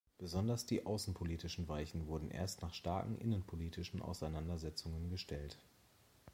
Besonders die außenpolitischen Weichen wurden erst nach starken innenpolitischen Auseinandersetzungen gestellt.